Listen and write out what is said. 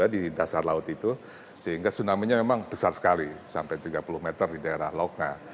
di dasar laut itu sehingga tsunami nya memang besar sekali sampai tiga puluh meter di daerah lokna